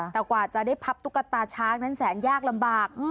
แต่กว่าจะได้พับตุ๊กตาช้างนั้นแสนยากลำบาก